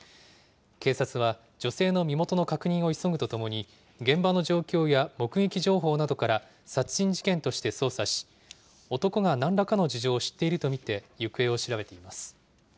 警察は女性の身元の確認を急ぐとともに、現場の状況や目撃情報などから、殺人事件として捜査し、男がなんらかの事情を知っていると見て、行方を調べています。